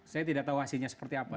saya tidak tahu hasilnya seperti apa